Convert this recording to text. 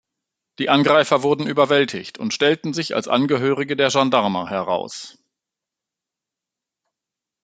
Die Angreifer wurden überwältigt und stellten sich als Angehörige der Jandarma heraus.